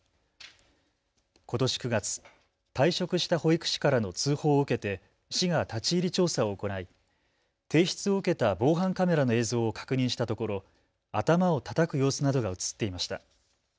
ことし９月、退職した保育士からの通報を受けて市が立ち入り調査を行い提出を受けた防犯カメラの映像を確認したところ、頭をたたく様子などが写っていました。